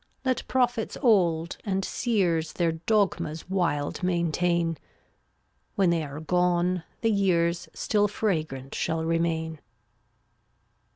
Let prophets old, and seers, Their dogmas wild maintain; When they are gone, the years Still fragrant shall remain.